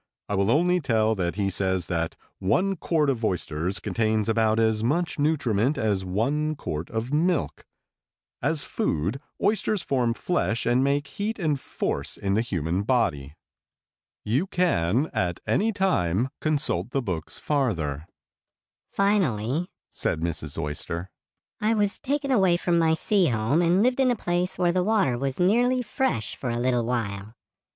I will only tell that he says that one quart of oysters contains about as much nutriment as one quart of milk. As food, oysters form flesh and make heat and force in the human body. You can at any time consult the books farther." "Finally," said Mrs. Oyster, "I was taken away from my sea home and lived in a place where the water was nearly fresh for a little while.